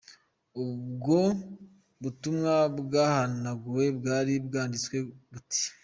Ubwo butumwa bwahanaguwe bwari bwanditswe buti: .